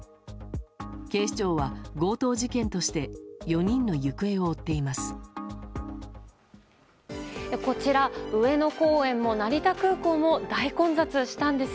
警視庁は強盗事件として４人の行方を追っています。